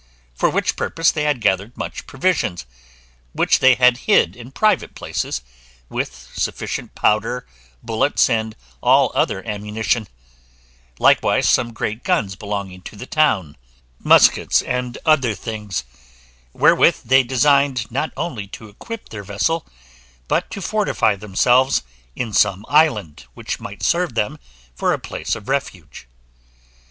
For which purpose they had gathered much provisions, which they had hid in private places, with sufficient powder, bullets, and all other ammunition: likewise some great guns belonging to the town, muskets, and other things, wherewith they designed not only to equip their vessel, but to fortify themselves in some island which might serve them for a place of refuge.